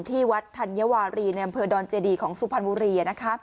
ที่วัดธัญวารีในอำเภอดอนเจดีของสุพรรณบุรี